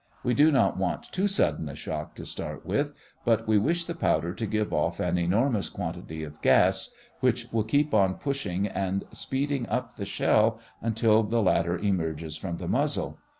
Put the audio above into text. We do not want too sudden a shock to start with, but we wish the powder to give off an enormous quantity of gas which will keep on pushing and speeding up the shell until the latter emerges from the muzzle.